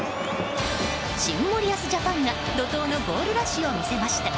新森保ジャパンが怒涛のゴールラッシュを見せました。